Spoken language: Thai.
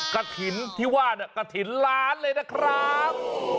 กระถิ่นที่ว่าเนี่ยกระถิ่นล้านเลยนะครับ